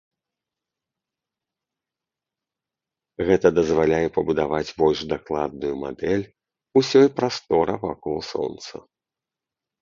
Гэта дазваляе пабудаваць больш дакладную мадэль усёй прастора вакол сонца.